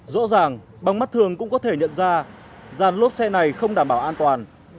rõ ràng bằng mắt thường cũng có thể nhận ra dàn lốp xe này không đảm bảo an toàn